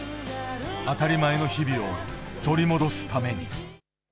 当たり前の日々を取り戻すために。